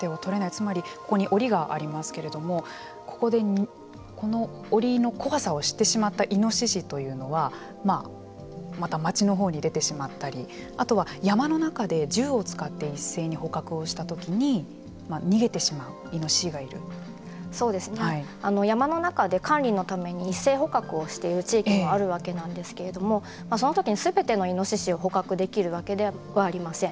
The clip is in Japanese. つまりここにおりがありますけれどもここでこのおりの怖さを知ってしまったイノシシというのはまた街のほうに出てしまったりあとは山の中で銃を使って一斉に捕獲をした時に山の中で管理のために一斉捕獲をしている地域もあるわけなんですけれどもその時にすべてのイノシシを捕獲できるわけではありません。